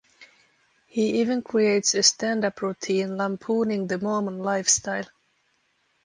He even creates a standup routine lampooning the Mormon lifestyle.